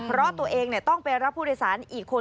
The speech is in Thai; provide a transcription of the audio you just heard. เพราะตัวเองต้องไปรับผู้โดยสารอีกคน